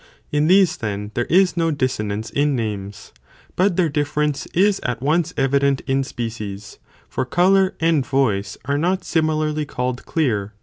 In these, then, there is no dissonance in 4nd Ddlack. names, but their difference: is at once evident in species, for colour and voice are not similarly called clear,t , 55.